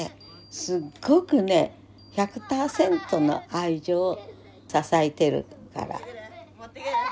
すっごくね１００％の愛情支えてるから。